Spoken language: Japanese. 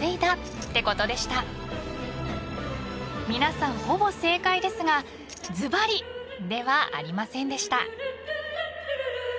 ［皆さんほぼ正解ですがずばりではありませんでした］